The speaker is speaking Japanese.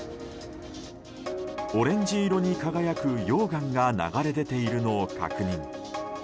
オレンジ色に輝く溶岩が流れ出ているのを確認。